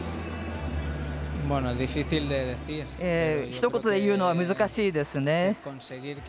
ひと言で言うのは難しいですね。